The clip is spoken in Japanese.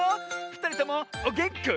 ふたりともおげんこ？